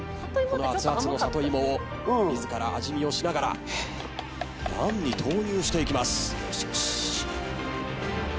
あつあつの里芋を自ら味見をしながらあんに投入していきます。